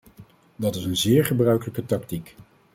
Dat is een zeer gebruikelijke tactiek.